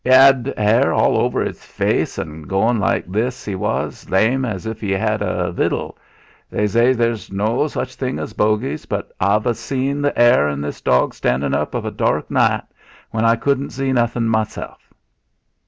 "'E 'ad 'air all over 'is face, an' goin' like this, he was, zame as if 'e 'ad a viddle. They zay there's no such thing as bogies, but I've a zeen the 'air on this dog standin' up of a dark naight, when I couldn' zee nothin', meself."